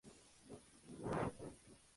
Es la sede del condado de Glenn.